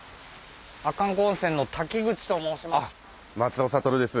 阿寒湖温泉の瀧口と申します。